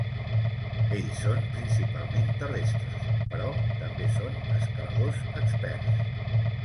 Ells són principalment terrestres però també són escaladors experts.